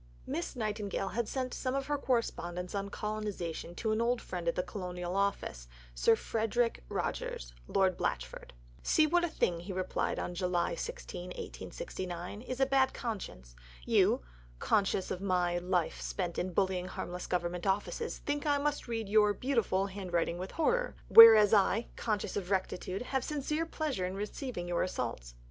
Miss Nightingale had sent some of her correspondence on colonization to an old friend at the Colonial Office Sir Frederick Rogers (Lord Blachford). "See what a thing," he replied (July 26, 1869), "is a bad conscience! You, conscious of a life spent in bullying harmless Government offices, think that I must read your (beautiful) handwriting with horror. Whereas I, conscious of rectitude, have sincere pleasure in receiving your assaults."